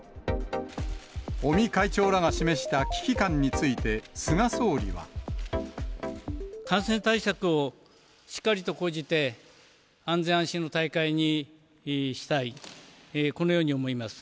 尾身会長らが示した危機感に感染対策をしっかりと講じて、安全安心の大会にしたい、このように思います。